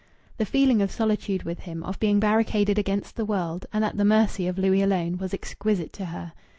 The feeling of solitude with him, of being barricaded against the world and at the mercy of Louis alone, was exquisite to her.